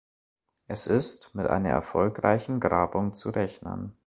Es ist mit einer erfolgreichen Grabung zu rechnen.